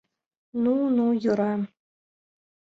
— Ну, ну, йӧра...